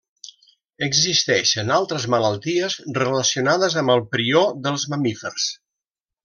Existeixen altres malalties relacionades amb el prió dels mamífers.